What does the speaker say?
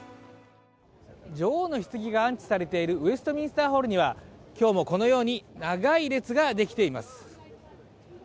女王のひつぎが安置されているウェストミンスターホールには、今日もこのように長い列ができています。